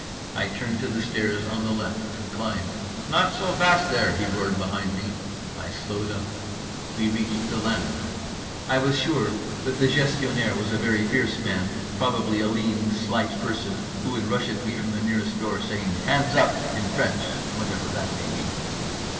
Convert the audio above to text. I turned to the stairs on the left, and climbed. "Not so fast there," he roared behind me. I slowed up. We reached the landing. I was sure that the Gestionnaire was a very fierce man—probably a lean slight person who would rush at me from the nearest door saying "Hands up" in French, whatever that may be.